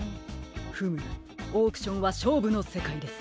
フムオークションはしょうぶのせかいです。